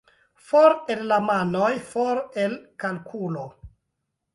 For el la manoj — for el kalkulo.